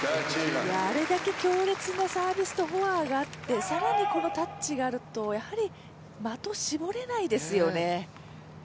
あれだけ強烈なサービスとフォアがあって更にこのタッチがあると的を絞れないですよね。